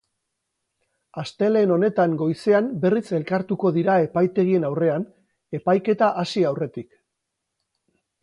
Astelehen honetan goizean berriz elkartu dira epaitegien aurrean, epaiketa hasi aurretik.